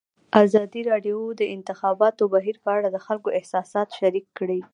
ازادي راډیو د د انتخاباتو بهیر په اړه د خلکو احساسات شریک کړي.